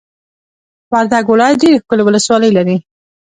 وردګ ولایت ډېرې ښکلې ولسوالۍ لري!